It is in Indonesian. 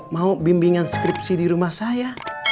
mau bimbingan skripsi di rumah saya